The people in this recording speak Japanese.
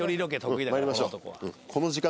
まいりましょう。